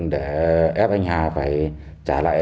để ép anh hà phải trả lại